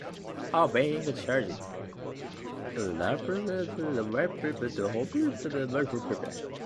On being charged, the Labour whip was suspended in the Holyrood and Westminster parliaments.